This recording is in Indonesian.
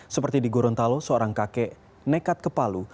seperti di gorontalo seorang kakek nekat ke palu